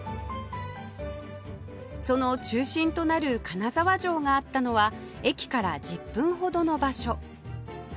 その中心となる金沢城があったのは駅から１０分ほどの場所